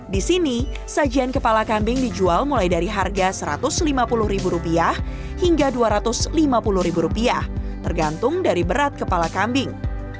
di sini sajian kepala kambing dijual mulai dari harga rp satu ratus lima puluh hingga rp dua ratus lima puluh tergantung dari berat kepala kambing